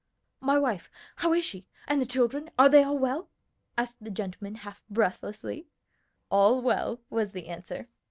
"My wife! how is she? and the children? are they all well?" asked the gentleman half breathlessly. "All well," was the answer.